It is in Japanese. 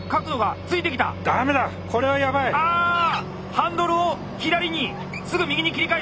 ハンドルを左にすぐ右に切り返す！